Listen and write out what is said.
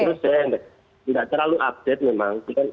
terus saya tidak terlalu update memang